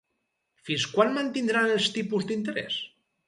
Fins quan mantindran els tipus d'interès?